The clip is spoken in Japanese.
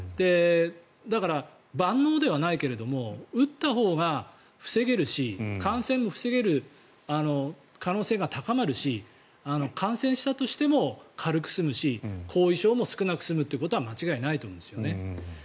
だから、万能ではないけれど打ったほうが防げるし感染も防げる可能性が高まるし感染したとしても軽く済むし後遺症も少なく済むことは間違いないと思うんですね。